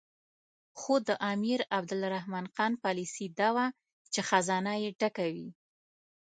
خو د امیر عبدالرحمن خان پالیسي دا وه چې خزانه یې ډکه وي.